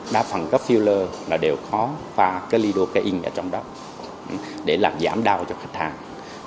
đa phần các phiêu lơ đều khó pha cái lidocaine ở trong đó để làm giảm đau cho khách hàng